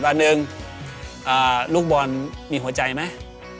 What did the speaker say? วันหนึ่งลูกบอลมีหัวใจไหม